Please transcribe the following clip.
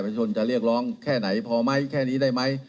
ชนจะเรียกร้องแค่ไหนพอไหมแค่นี้ได้ไหม